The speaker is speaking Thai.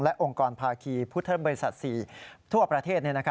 และองค์กรภาคีพุทธบริษัท๔ทั่วประเทศ